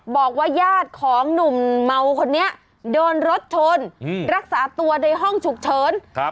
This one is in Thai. บอกว่าญาติของหนุ่มเมาคนนี้โดนรถชนรักษาตัวในห้องฉุกเฉิน